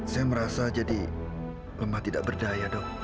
saya merasa jadi lemah tidak berdaya dok